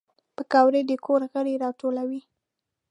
پکورې د کور غړي راټولوي